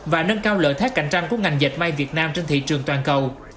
và nâng cao lợi thác cạnh tranh của ngành dệt may việt nam trên thị trường toàn cầu